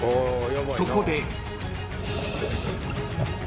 ［そこで］